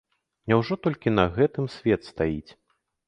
Няўжо толькі на гэтым свет стаіць?